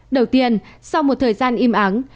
đầu tiên sau một thời gian im ắng